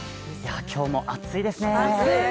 今日も暑いですね。